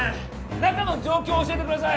中の状況教えてください